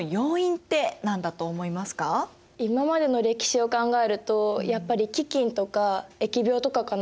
今までの歴史を考えるとやっぱり飢きんとか疫病とかかな。